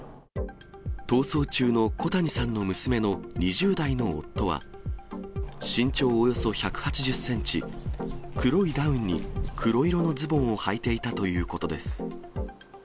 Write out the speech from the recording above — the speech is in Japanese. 逃走中の小谷さんの娘の２０代の夫は、身長およそ１８０センチ、黒いダウンに黒色のズボンをはいていたということです。